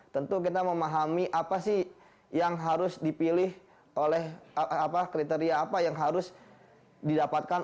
tentu kita memahami apa sih yang harus dipilih oleh kriteria apa yang harus didapatkan